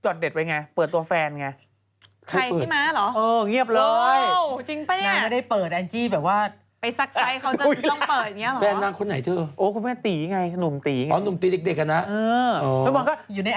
จะได้เล่าข่าวได้อะไรแบบนี้นะคนเล็กนี่เหรอเออเออพี่มดก็กินทุกวัน